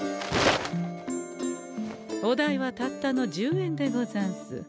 お代はたったの１０円でござんす。